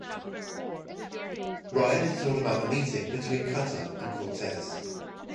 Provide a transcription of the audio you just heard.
Ryan is told about the meeting between Cutter and Cortez.